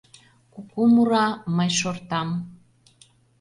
Куку мура, мый шортам —